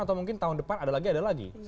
atau mungkin tahun depan ada lagi ada lagi